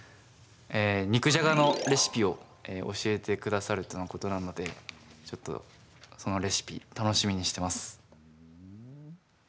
肉じゃがのレシピを教えてくださるとのことなのでちょっと、そのレシピ楽しみにしています。